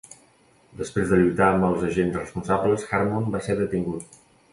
Després de lluitar amb els agents responsables, Harmon va ser detingut.